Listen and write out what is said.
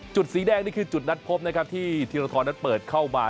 จุดสีแดงนี่คือจุดนัดพบที่ธิรธรณะเปิดเข้ามา